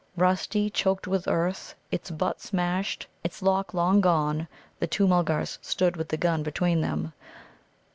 Rusty, choked with earth, its butt smashed, its lock long gone, the two Mulgars stood with the gun between them.